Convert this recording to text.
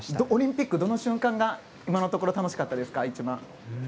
オリンピックはどの瞬間が今のところ一番楽しかったですか？